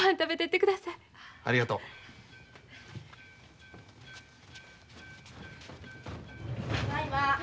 ただいま。